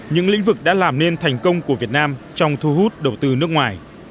những lĩnh vực đã làm nên thành công của việt nam trong thu hút đầu tư nước ngoài